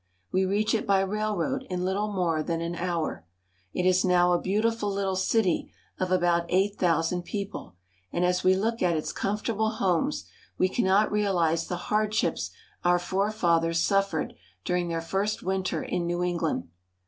We reach it by railroad in little more than an hour. It is now a beautiful little city of about eight thousand people, and as we look at its comfortable homes we cannot realize the hardships our forefathers sufTered during their first winter in New England.